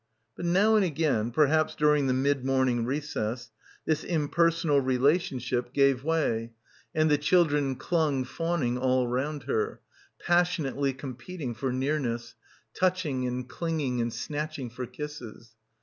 But now and again, perhaps during the mid morning recess, this impersonal relationship gave way and the children clung fawning all round her, — 270 — BACKWATER passionately competing for nearness, touching and clinging and snatching for kisses.